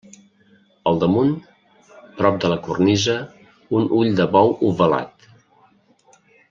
Al damunt, prop de la cornisa, un ull de bou ovalat.